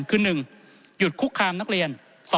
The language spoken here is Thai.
คือ๑หยุดคุกคามนักเรียน